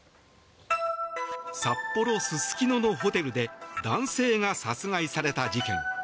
札幌・すすきののホテルで男性が殺害された事件。